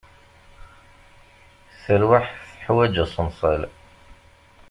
Talwaḥt teḥwaǧ aṣenṣal.